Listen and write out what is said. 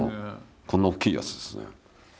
こんな大きいやつですね。